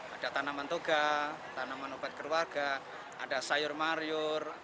ada tanaman toga tanaman obat keluarga ada sayur mariur